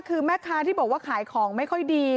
คือแม่ค้าที่บอกว่าขายของไม่ค่อยดี